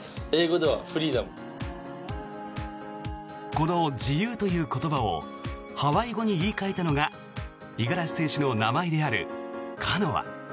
この自由という言葉をハワイ語に言い換えたのが五十嵐選手の名前であるカノア。